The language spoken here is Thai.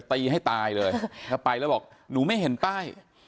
ตีให้ตายเลยถ้าไปแล้วบอกหนูไม่เห็นป้าย